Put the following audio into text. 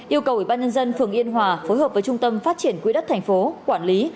yêu cầu ủy ban nhân dân phường yên hòa phối hợp với trung tâm phát triển quỹ đất tp quản lý